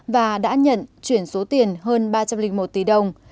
và đã nhận chuyển số tiền hơn ba trăm linh một tỷ đồng